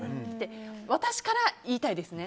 私から言いたいですね。